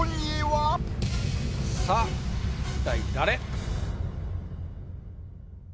さぁ一体誰？